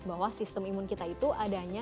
bahwa sistem imun kita itu adanya